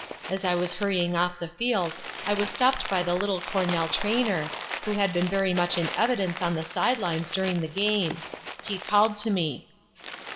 As I was hurrying off the field, I was stopped by the little Cornell trainer, who had been very much in evidence on the side lines during the game. He called to me.